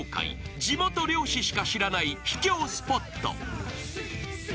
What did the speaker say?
［地元漁師しか知らない秘境スポット］